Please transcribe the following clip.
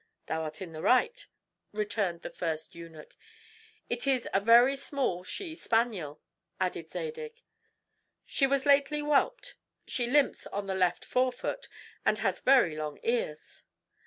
"Thou art in the right," returned the first eunuch. "It is a very small she spaniel," added Zadig; "she has lately whelped; she limps on the left forefoot, and has very long ears."